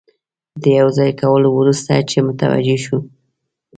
د یو ځای کولو وروسته چې متوجه شو.